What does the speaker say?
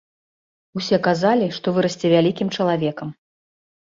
Усе казалі, што вырасце вялікім чалавекам.